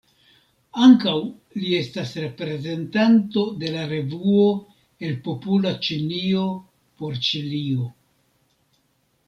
Ankaŭ li estis reprezentanto de la revuo El Popola Ĉinio por Ĉilio.